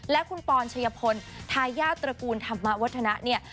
และคุณปอนชัยพลทายาทตระกูลธรรมวัฒนะเนี่ย